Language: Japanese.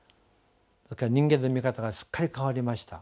それから人間の見方がすっかり変わりました。